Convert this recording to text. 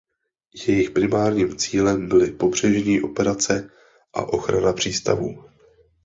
Jejich primárním cílem byly pobřežní operace a ochrana přístavů.